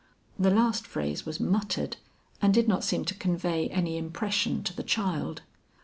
The last phrase was muttered, and did not seem to convey any impression to the child.